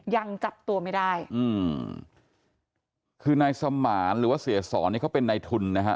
ยังจับตัวไม่ได้อืมคือนายสมานหรือว่าเสียสอนนี่เขาเป็นในทุนนะฮะ